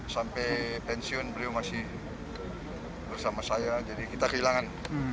sampai pensiun beliau masih bersama saya jadi kita kehilangan